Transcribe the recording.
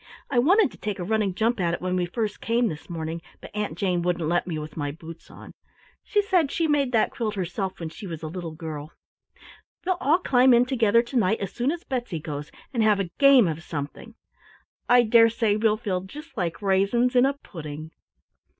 I wanted to take a running jump at it when we first came this morning, but Aunt Jane wouldn't let me with my boots on. She said she made that quilt herself, when she was a little girl. We'll all climb in together to night as soon as Betsy goes, and have a game of something I dare say we'll feel just like raisins in a pudding!"